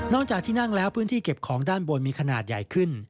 จากที่นั่งแล้วพื้นที่เก็บของด้านบนมีขนาดใหญ่ขึ้น